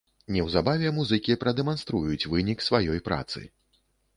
Неўзабаве музыкі прадэманструюць вынік сваёй працы.